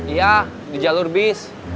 iya di jalur bis